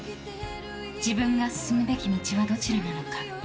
自分が進むべき道はどちらなのか。